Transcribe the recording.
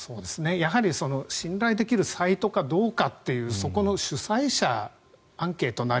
やはり信頼できるサイトかどうかっていうそこの主催者アンケートなり